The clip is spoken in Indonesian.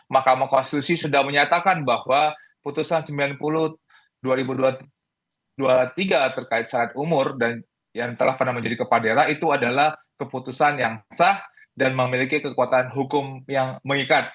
mahkamah konstitusi sudah menyatakan bahwa putusan sembilan puluh dua ribu dua puluh tiga terkait syarat umur dan yang telah pernah menjadi kepala daerah itu adalah keputusan yang sah dan memiliki kekuatan hukum yang mengikat